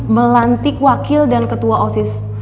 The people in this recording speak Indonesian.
melantik wakil dan ketua osis